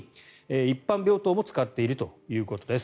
一般病棟も使っているということです。